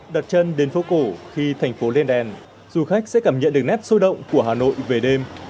đặt chân đến phố cổ khi thành phố lên đèn du khách sẽ cảm nhận được nét sôi động của hà nội về đêm